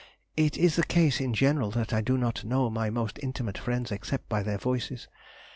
It is the case in general, that I do not know my most intimate friends except by their voices.